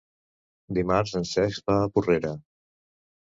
Dimarts en Cesc va a Porrera.